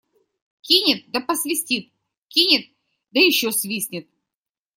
Кинет да посвистит, кинет да еще свистнет.